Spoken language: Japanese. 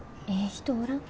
人おらん？